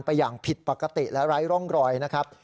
อย่างผิดปกติและไร้ร่องรอยนะครับ